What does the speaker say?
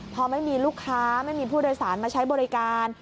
พอไม่มีลูกค้าไม่มีผู้โดยสารมาใช้บริการ